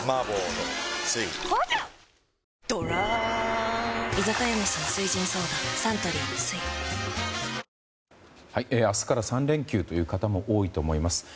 ドランサントリー「翠」明日から３連休という方も多いと思います。